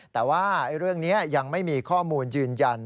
แต่ว่าเรื่องนี้ยังไม่มีข้อมูลยืนยัน